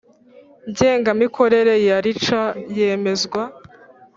Ngengamikorere ya rica yemezwa